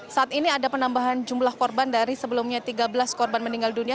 saat ini ada penambahan jumlah korban dari sebelumnya tiga belas korban meninggal dunia